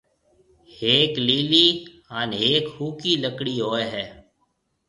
ھيَََڪ ليِلِي ھان ھيَََڪ ھوڪِي لڪڙي ھوئيَ ھيََََ